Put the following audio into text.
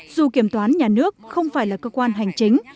dù kiểm toán nhà nước không phải là cơ quan hành chính